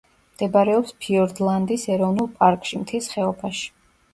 მდებარეობს ფიორდლანდის ეროვნულ პარკში, მთის ხეობაში.